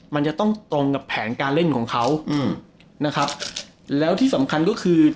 มันจะต้องตรงกับแผนการเล่นของเขาอืมนะครับแล้วที่สำคัญก็คือ